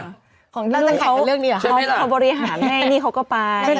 เขาบริหารแม่นี่เขาก็ไป